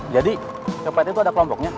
jadi copet itu ada kelompoknya